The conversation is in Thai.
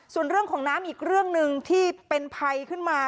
ส่วนเรื่องของน้ำอีกเรื่องหนึ่งที่เป็นภัยขึ้นมา